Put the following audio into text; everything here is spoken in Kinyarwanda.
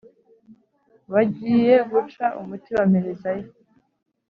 bagiye guca umuti wamperezayo